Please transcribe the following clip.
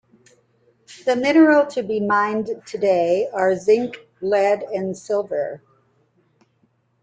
The mineral to be mined today are: zinc, lead and silver.